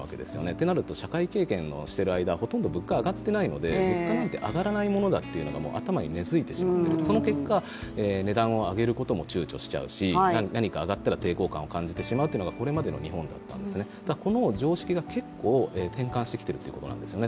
となると社会経験をしている間、ほとんど物価上がっていないので物価なんて上がらないものなんだというのが頭に根づいてしまっているし、その結果、値段を上げることもちゅうちょしちゃうし、なにか上がったら抵抗感が出るのがこれまでの日本だったんですね、この常識が結構転換してきているんですね。